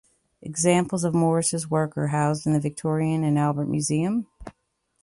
Examples of Morris' work are housed in the Victoria and Albert Museum.